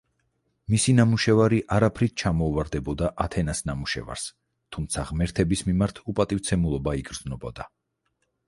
მისი ნამუშევარი არაფრით ჩამოუვარდებოდა ათენას ნამუშევარს, თუმცა ღმერთების მიმართ უპატივცემულობა იგრძნობოდა.